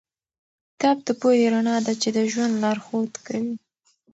کتاب د پوهې رڼا ده چې د ژوند لارښود کوي.